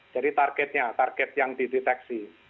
jadi targetnya target yang dideteksi